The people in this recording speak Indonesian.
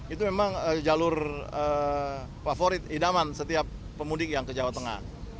itu memang jalur favorit idaman setiap pemudik yang ke jawa tengah